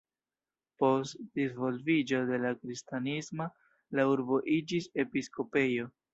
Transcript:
Post disvolviĝo de la kristanismo la urbo iĝis episkopejo.